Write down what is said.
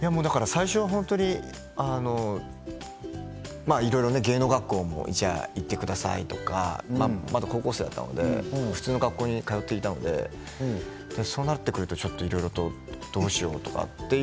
最初はやっぱりいろいろ芸能学校みたいなものも行ってくださいとかまだ高校生だったので普通の学校に通っていたのでそうなってくるとちょっといろいろどうしようって。